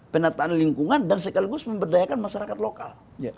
penataan lingkungan dan sekaligus memberdayakan masyarakat lokal